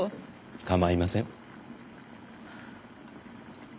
構いません。